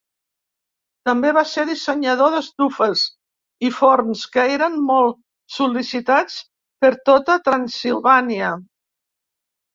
També va ser dissenyador d'estufes i forns que eren molt sol·licitats per tota Transsilvània.